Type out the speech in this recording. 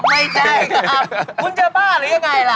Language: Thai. ไม่ใช่ครับคุณจะบ้าหรือยังไงล่ะ